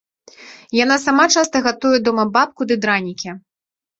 Яна сама часта гатуе дома бабку ды дранікі.